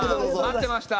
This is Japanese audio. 待ってました。